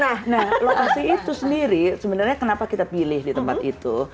nah lokasi itu sendiri sebenarnya kenapa kita pilih di tempat itu